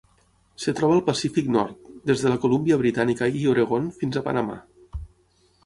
Es troba al Pacífic nord: des de la Colúmbia Britànica i Oregon fins a Panamà.